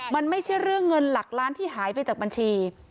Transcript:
มันไม่ใช่เรื่องเงินหลักล้านที่หายไปจากบัญชี